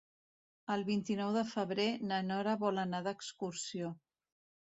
El vint-i-nou de febrer na Nora vol anar d'excursió.